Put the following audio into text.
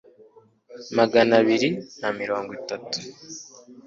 magana abiri na mirongo itatu